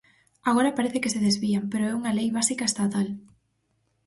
Agora parece que se desvían, pero é unha lei básica estatal.